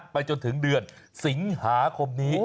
ไปจนถึงเดือนสิงหาคมนี้